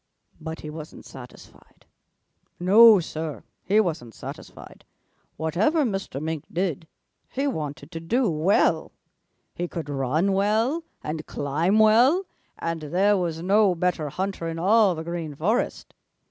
"But he wasn't satisfied. No, Sir, he wasn't satisfied. Whatever Mr. Mink did, he wanted to do well. He could run well and climb well, and there was no better hunter in all the Green Forest.